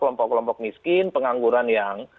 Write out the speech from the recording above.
kelompok kelompok miskin pengangguran yang